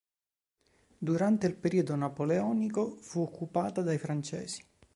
Durante il periodo napoleonico fu occupata dai francesi.